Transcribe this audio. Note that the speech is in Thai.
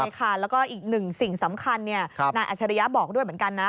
ใช่ค่ะแล้วก็อีกหนึ่งสิ่งสำคัญนายอัชริยะบอกด้วยเหมือนกันนะ